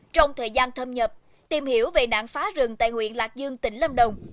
trong thời gian thâm nhập tìm hiểu về nạn phá rừng tại huyện lạc dương tỉnh lâm đồng